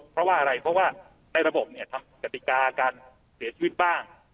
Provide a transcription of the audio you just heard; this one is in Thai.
เพราะว่าอะไรเพราะว่าในระบบเนี่ยทำกติกาการเสียชีวิตบ้าง